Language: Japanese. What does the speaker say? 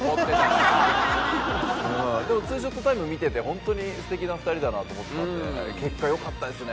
でも２ショットタイムを見てて本当に素敵な２人だなと思ったんで結果よかったですね。